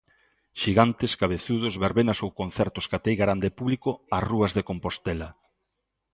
Xigantes, cabezudos, verbenas ou concertos que ateigarán de público as rúas de Compostela.